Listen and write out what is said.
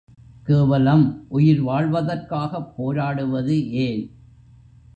கேவலம் உயிர் வாழ்வதற்காகப் போராடுவது ஏன்?